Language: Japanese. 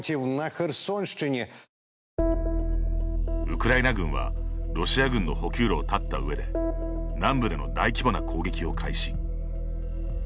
ウクライナ軍はロシア軍の補給路を断ったうえで南部での大規模な攻撃を開始。